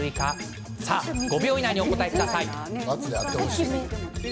さあ、皆さん５秒以内にお答えください。